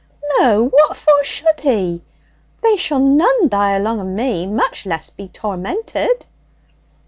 'No, what for should He? There shall none die along of me, much less be tormented.'